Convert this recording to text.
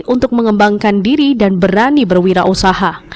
untuk mengembangkan diri dan berani berwirausaha